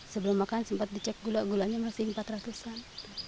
sebelum makan sempat dicek gula gulanya masih empat ratus an